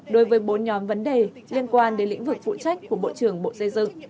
đối với bốn nhóm vấn đề liên quan đến lĩnh vực phụ trách của bộ trưởng bộ xây dựng